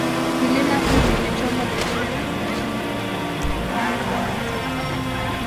Milima hii imechongwa vizuri na mwenyezi Mungu na kupanbwa vizuri